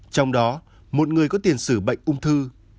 trong đó một người có tiền sử bệnh ung thư